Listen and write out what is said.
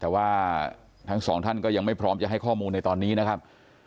แต่ว่าทั้งสองท่านก็ยังไม่พร้อมจะให้ข้อมูลในตอนนี้นะครับ